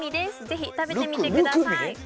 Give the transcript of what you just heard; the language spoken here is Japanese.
ぜひ食べてみてくださいルクミ？